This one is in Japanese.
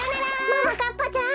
ももかっぱちゃん！